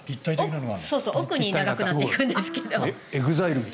奥になくなっていくんですけど。